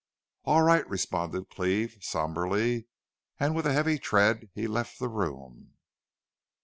"All right," responded Cleve, somberly, and with a heavy tread he left the room.